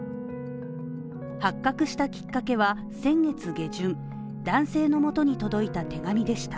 発覚したきっかけは先月下旬、男性の元に届いた手紙でした。